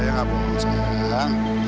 ayah ngapain mungkin kebetulan